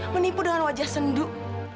menipu dengan wajah senduk